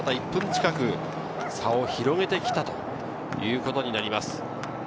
１分近く差を広げてきたということになります。